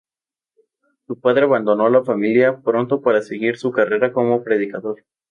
Su padre abandonó a la familia pronto para seguir su carrera como predicador.